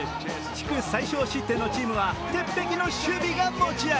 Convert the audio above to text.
地区最少失点のチームは鉄壁の守備が持ち味。